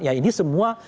ya ini semua